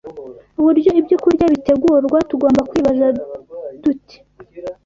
uburyo ibyokurya bitegurwa, tugomba kwibaza duti